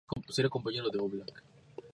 Remy Hadley o "Trece".